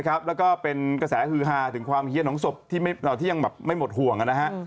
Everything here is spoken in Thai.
แล้วก็เป็นกระแสฮือฮาถึงความเฮียนของศพที่ยังไม่หมดห่วง